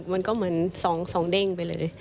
มันก็เหมือน๒เด้งไปเลย